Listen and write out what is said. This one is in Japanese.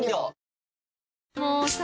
もうさ